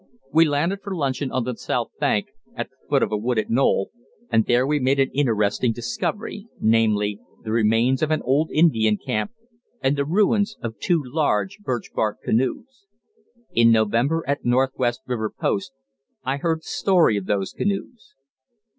We landed for luncheon on the south bank, at the foot of a wooded knoll, and there we made an interesting discovery, namely, the remains of an old Indian camp and the ruins of two large birch bark canoes. In November, at Northwest River Post, I heard the story of those canoes.